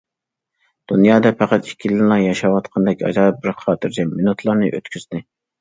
دۇنيادا پەقەت ئىككىيلەنلا ياشاۋاتقاندەك، ئاجايىپ بىر خاتىرجەم مىنۇتلارنى ئۆتكۈزدى.